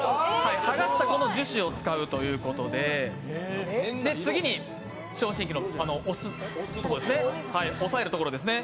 剥がしたこの樹脂を使うということで、次に、聴診器の押さえるところですね。